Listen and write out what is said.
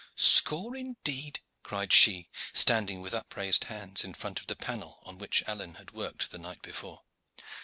"Score, indeed!" cried she, standing with upraised hands in front of the panel on which Alleyne had worked the night before.